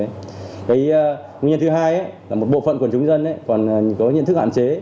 nguyên nhân thứ hai là một bộ phận của chúng dân còn có nhận thức hạn chế